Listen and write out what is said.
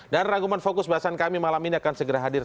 dan rangkuman fokus bahasan kami malam ini akan segera hadir